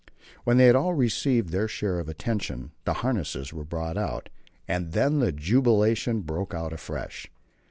When they had all received their share of attention the harness was brought out, and then the jubilation broke out afresh.